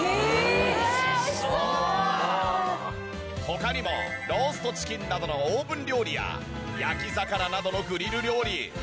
他にもローストチキンなどのオーブン料理や焼き魚などのグリル料理。